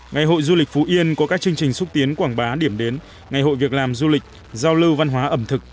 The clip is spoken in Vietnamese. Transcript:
ngày hội du lịch phú yên có các chương trình xúc tiến quảng bá điểm đến ngày hội việc làm du lịch giao lưu văn hóa ẩm thực